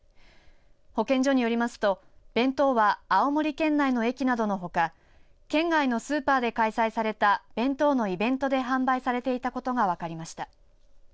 保健所によりますと、弁当は青森県内の駅などのほか県外のスーパーで開催された弁当のイベントで販売されていたことが分かりました。